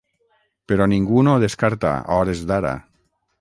Però ningú no ho descarta, a hores d’ara.